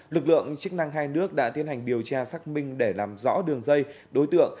lực lượng chức năng hai nước đã tiến hành điều tra xác minh để làm rõ đường dây đối tượng